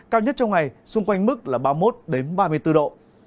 cao nhất trong ngày xung quanh mức là ba mươi một ba mươi bốn độ